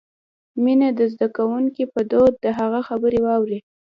مينه دې د زدکونکې په دود د هغه خبرې واوري.